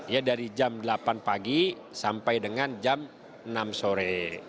ya dari jam delapan pagi sampai dengan jam enam sore